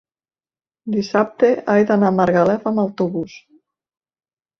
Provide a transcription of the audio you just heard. dissabte he d'anar a Margalef amb autobús.